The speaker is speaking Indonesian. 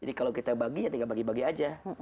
jadi kalau kita bagi ya tinggal bagi bagi aja